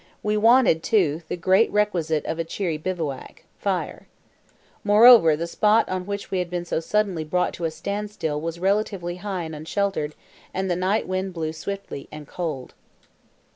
We wanted, too, the great requisite of a cheery bivouac—fire. Moreover, the spot on which we had been so suddenly brought to a standstill was relatively high and unsheltered, and the night wind blew swiftly and cold.